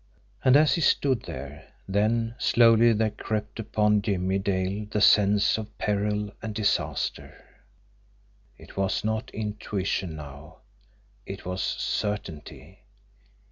And as he stood there, then, slowly there crept upon Jimmie Dale the sense of peril and disaster. It was not intuition now it was certainty.